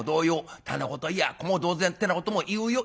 店子といや子も同然ってなことも言うよ。